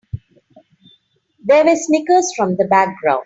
There were snickers from the background.